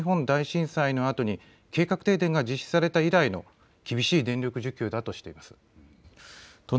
管内では１１年前の東日本大震災のあとに計画停電が実施された以来の厳しい電力需給だとしています。